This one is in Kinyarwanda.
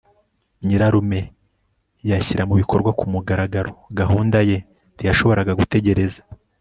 nyirarume yashyira mubikorwa kumugaragaro gahunda ye. ntiyashoboraga gutegereza